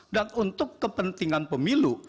dan untuk kepentingan pemilu